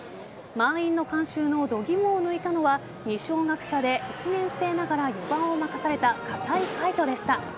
満員の観衆の度肝を抜いたのは二松学舎で１年生ながら４番を任された片井海斗でした。